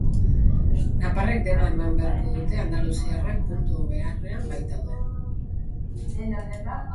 Nafarrek dena eman beharko dute andaluziarrak puntu beharrean baitaude.